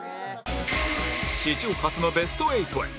史上初のベスト８へ